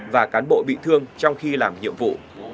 và cán bộ bị thương trong khi làm nhiệm vụ